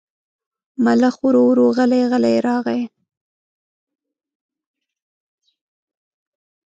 ملخ ورو ورو غلی غلی راغی.